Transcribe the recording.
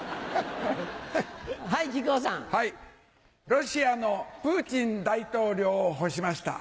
ロシアのプーチン大統領を干しました。